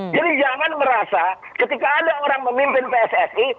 jadi jangan merasa ketika ada orang memimpin pssi